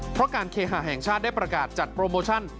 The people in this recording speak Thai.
เพราะการเคหาแห่งชาติได้ประกาศจัดโปรโมชั่น